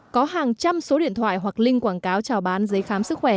có hàng trăm số điện thoại hoặc link quảng cáo chào bán giấy khám sức khỏe